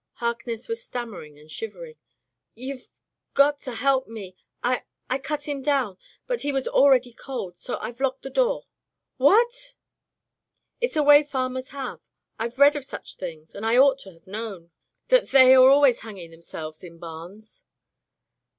Harkness was stammering and shivering. "YouVe got to help me. I — I cut him down, but he was already cold, so Fve locked the door " "What!'* "It's a way f farmers have. Fve read of such things, and I ought to have known. Th they are always hanging themselves in barns."